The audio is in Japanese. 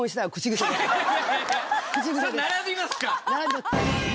それ並びますか。